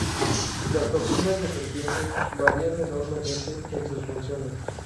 Las toxinas de serpiente varían enormemente en sus funciones.